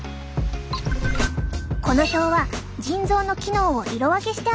この表は腎臓の機能を色分けして表しているんだ。